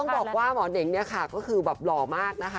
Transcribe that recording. บอกว่าหมอเน่งเนี่ยค่ะก็คือแบบหล่อมากนะคะ